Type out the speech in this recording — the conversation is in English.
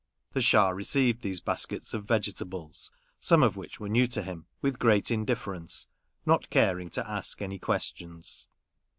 The Schah received these baskets of vegetables, some of which were new to him, with great indifference, not caring to ask any questions.